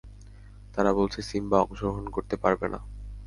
তারা বলছে, সিম্বা অংশগ্রহণ করতে পারবে না।